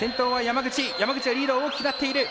山口はリードが大きくなっている。